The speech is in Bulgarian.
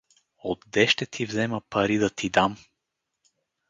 Отде ще ти взема пари да ти дам?